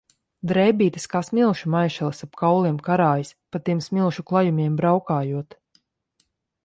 Drēbītes kā smilšu maišelis ap kauliem karājas, pa tiem smilšu klajumiem braukājot.